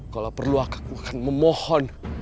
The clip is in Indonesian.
kalau perlu aku akan memohon